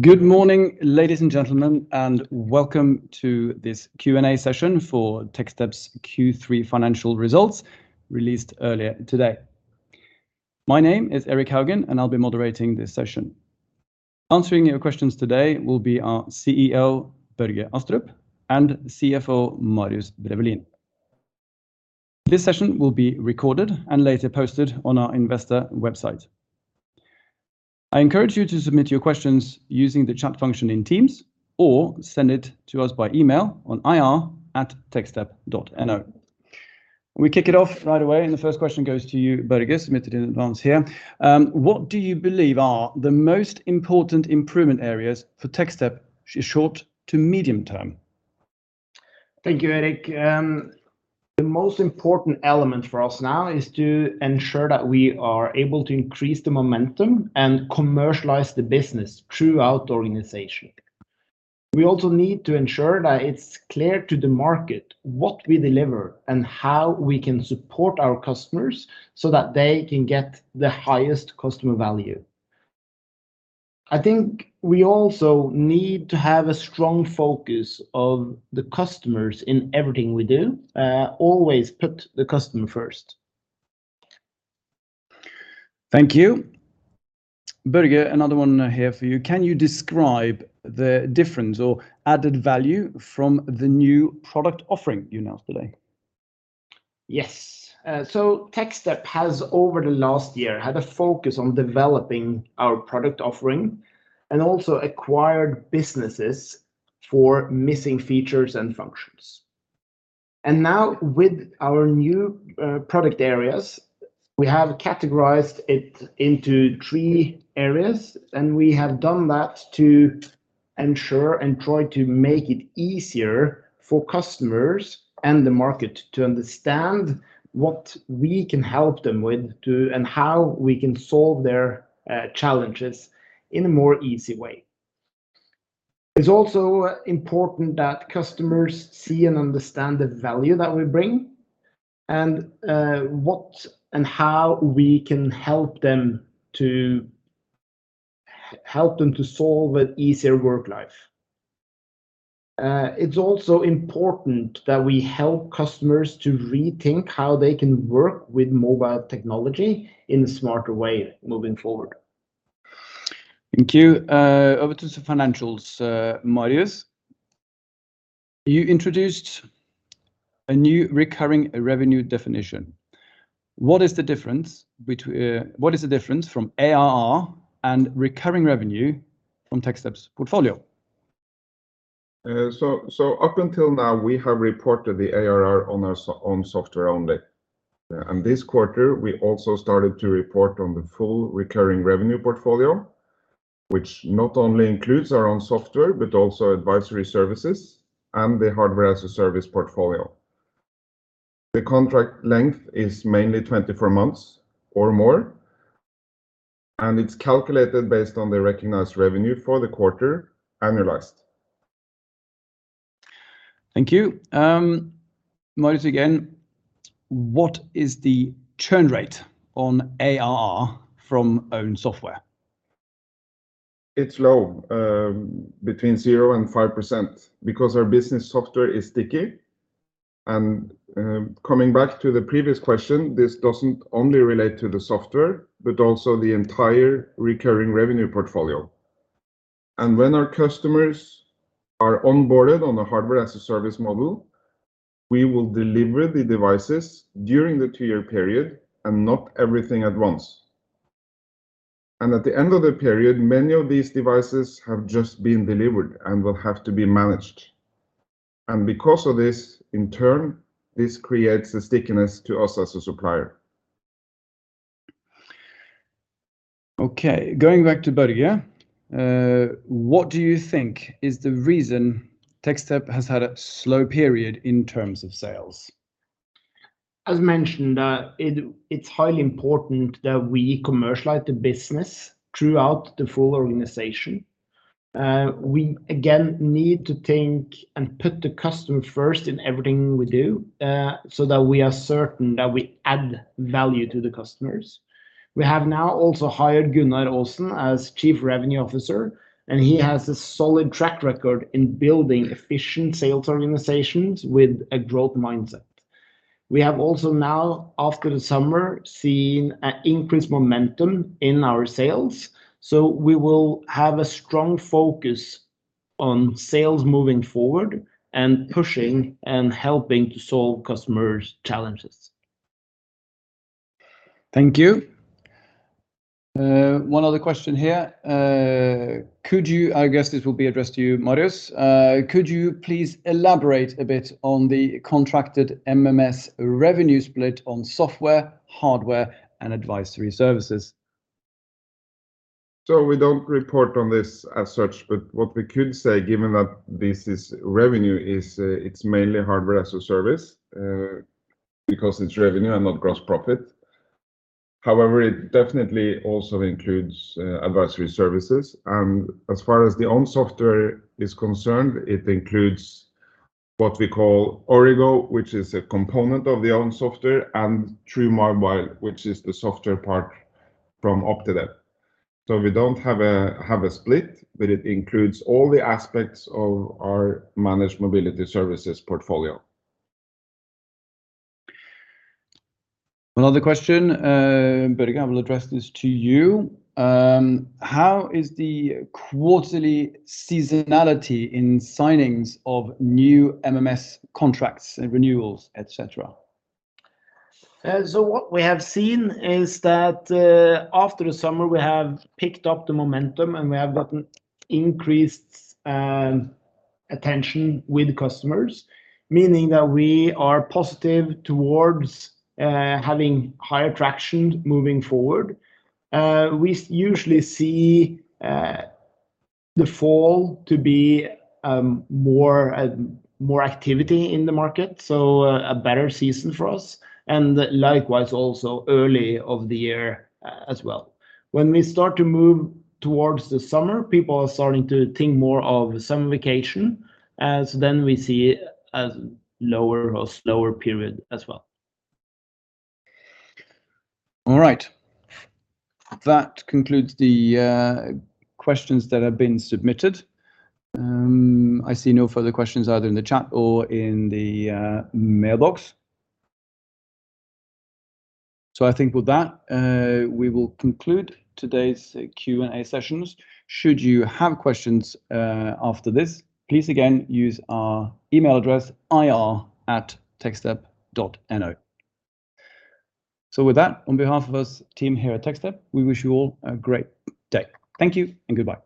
Good morning, ladies and gentlemen, and welcome to this Q&A session for Techstep's Q3 financial results released earlier today. My name is Erik Haugen, and I'll be moderating this session. Answering your questions today will be our CEO, Børge Astrup, and CFO, Marius Drefvelin. This session will be recorded and later posted on our investor website. I encourage you to submit your questions using the chat function in Teams, or send it to us by email on ir@techstep.no. We kick it off right away, and the first question goes to you, Børge, submitted in advance here. What do you believe are the most important improvement areas for Techstep short to medium term? Thank you, Erik. The most important element for us now is to ensure that we are able to increase the momentum and commercialize the business throughout the organization. We also need to ensure that it's clear to the market what we deliver and how we can support our customers so that they can get the highest customer value. I think we also need to have a strong focus of the customers in everything we do. Always put the customer first. Thank you. Børge, another one here for you. Can you describe the difference or added value from the new product offering you announced today? Yes. So Techstep has, over the last year, had a focus on developing our product offering and also acquired businesses for missing features and functions. And now with our new product areas, we have categorized it into three areas, and we have done that to ensure and try to make it easier for customers and the market to understand what we can help them with and how we can solve their challenges in a more easy way. It's also important that customers see and understand the value that we bring and what and how we can help them to help them to solve an easier work life. It's also important that we help customers to rethink how they can work with mobile technology in a smarter way moving forward. Thank you. Over to the financials, Marius. You introduced a new recurring revenue definition. What is the difference betwee-, what is the difference difference from ARR and recurring revenue from Techstep's portfolio? So up until now, we have reported the ARR on our own software only. This quarter, we also started to report on the full recurring revenue portfolio, which not only includes our own software, but also advisory services and the Hardware as a Service portfolio. The contract length is mainly 24 months or more, and it's calculated based on the recognized revenue for the quarter annualized. Thank you. Marius again, what is the churn rate on ARR from own software? It's low, between 0% and 5% because our business software is sticky. And coming back to the previous question, this doesn't only relate to the software, but also the entire recurring revenue portfolio. And when our customers are onboarded on the Hardware as a Service model, we will deliver the devices during the two-year period and not everything at once. At the end of the period, many of these devices have just been delivered and will have to be managed. And because of this, in turn, this creates a stickiness to us as a supplier. Okay, going back to Børge. What do you think is the reason Techstep has had a slow period in terms of sales? As mentioned, it's highly important that we commercialize the business throughout the full organization. We again need to think and put the customer first in everything we do, so that we are certain that we add value to the customers. We have now also hired Gunnar Aasen as Chief Revenue Officer, and he has a solid track record in building efficient sales organizations with a growth mindset. We have also now, after the summer, seen an increased momentum in our sales, so we will have a strong focus on sales moving forward and pushing and helping to solve customers' challenges. Thank you. One other question here. Could you... I guess this will be addressed to you, Marius. Could you please elaborate a bit on the contracted MMS revenue split on software, hardware, and advisory services? So we don't report on this as such, but what we could say, given that this is revenue, is it's mainly Hardware as a Service, because it's revenue and not gross profit. However, it definitely also includes advisory services, and as far as the own software is concerned, it includes what we call Origo, which is a component of the own software, and TrueMobile, which is the software part from Optidev. So we don't have a split, but it includes all the aspects of our Managed Mobility Services portfolio. Another question, Børge, I will address this to you. How is the quarterly seasonality in signings of new MMS contracts and renewals, et cetera? As what we have seen is that, after the summer, we have picked up the momentum, and we have gotten increased attention with customers, meaning that we are positive towards having higher traction moving forward. We usually see the fall to be more activity in the market, so a better season for us, and likewise also early of the year as well. When we start to move towards the summer, people are starting to think more of summer vacation, as then we see a lower or slower period as well. All right. That concludes the questions that have been submitted. And I see no further questions either in the chat or in the mailbox. So I think with that, we will conclude today's Q&A sessions. Should you have questions after this, please again use our email address, ir@techstep.no. So with that, on behalf of us team here at Techstep, we wish you all a great day. Thank you and goodbye.